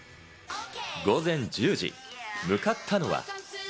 午前１０時、向かったのは。